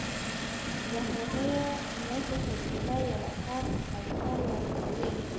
د بهرنیو مرستو تجربه یوه ښه مقایسه وړاندې کوي.